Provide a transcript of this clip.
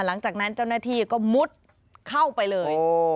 หลังจากนั้นเจ้าหน้าที่ก็มุดเข้าไปเลย